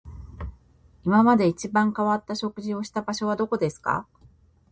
今まで一番変わった食事をした場所はどこですか